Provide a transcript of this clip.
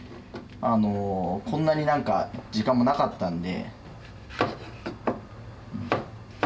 こんなに何か時間もなかったんで。